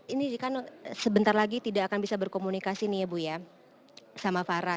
ini kan sebentar lagi tidak akan bisa berkomunikasi nih ya bu ya sama farah